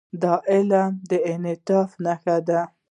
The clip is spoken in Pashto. دا د علم د انعطاف نښه ده.